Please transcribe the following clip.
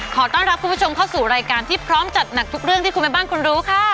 ขอต้อนรับคุณผู้ชมเข้าสู่รายการที่พร้อมจัดหนักทุกเรื่องที่คุณแม่บ้านคุณรู้ค่ะ